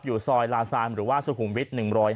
อยู่ซอยลาซานหรือว่าสุขุมวิทย์๑๐๒